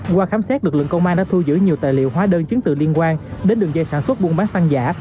qua khám xét lực lượng công an đã thu giữ nhiều tài liệu hóa đơn chứng từ liên quan đến đường dây sản xuất buôn bán phân giả